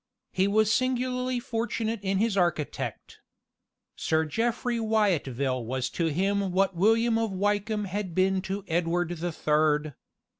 He was singularly fortunate in his architect. Sir Jeffry Wyatville was to him what William of Wykeham had been to Edward the Third.